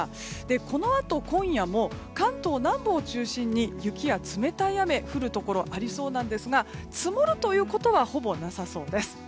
このあと今夜も関東南部を中心に雪や冷たい雨降るところがありそうなんですが積もるということはほぼなさそうです。